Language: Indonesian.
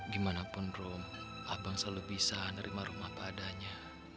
gimanapun rum abang selalu bisa nerima rumah padanya